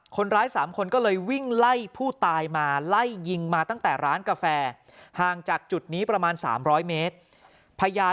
คนร้าย๓คนก็เลยวิ่งไล่ผู้ตายมา